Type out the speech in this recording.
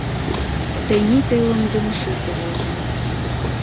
Тений телым лум шуко возо.